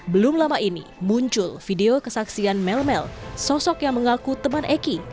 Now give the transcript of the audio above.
belum lama ini muncul video kesaksian mel mel sosok yang mengaku teman eki